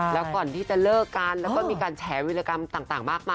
แล้วก่อนที่จะเลิกกันแล้วก็มีการแฉวิรกรรมต่างมากมาย